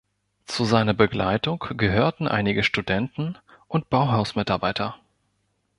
Zu seiner Begleitung gehörten einige Studenten und Bauhaus-Mitarbeiter.